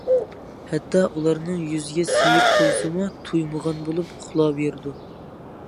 ھەتتا ئۇلارنىڭ يۈزىگە سىيىپ قويسىمۇ تۇيمىغان بولۇپ ئۇخلاۋېرىدۇ.